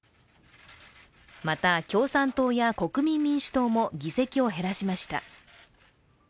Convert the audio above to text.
また、共産党や国民民主党も議席を減らしました。